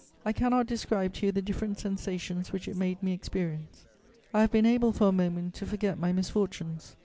I cannot describe to you the different sensations which it made me experience. I have been able for a moment to forget my misfortunes.